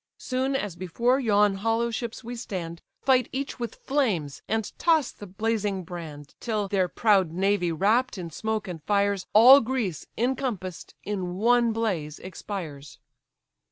Soon as before yon hollow ships we stand, Fight each with flames, and toss the blazing brand; Till, their proud navy wrapt in smoke and fires, All Greece, encompass'd, in one blaze expires."